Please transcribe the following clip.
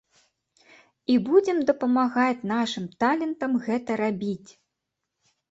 І будзем дапамагаць нашым талентам гэта рабіць.